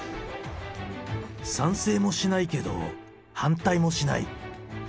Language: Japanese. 賛成もしないけど反対もしない。